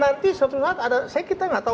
nanti suatu saat ada